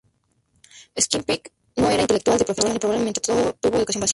Shakespeare no era un intelectual de profesión, y probablemente sólo tuvo una educación básica.